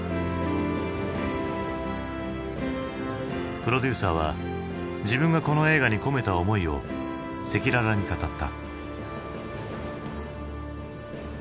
プロデューサーは自分がこの映画に込めた思いを赤裸々に語った。